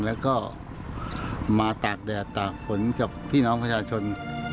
แล้วก็มาตากแดดตากฝนกับพี่น้องประชาชน